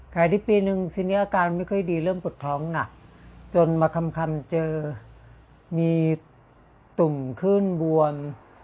ใครที่ปีหนึ่งสิ่งนี้อาการไม่ค่อยดีเริ่มปลดท้องหนักจนมาคำคำเจอมีตุ่มขึ้นบวม